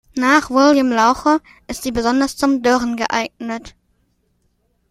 Nach Wilhelm Lauche ist sie besonders zum Dörren geeignet.